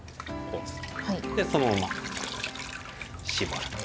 でそのまま絞ると。